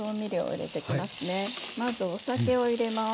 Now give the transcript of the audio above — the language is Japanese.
まずお酒を入れます。